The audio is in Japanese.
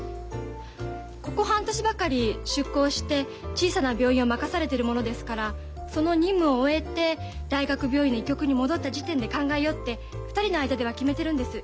ここ半年ばかり出向して小さな病院を任されてるものですからその任務を終えて大学病院の医局に戻った時点で考えようって２人の間では決めてるんです。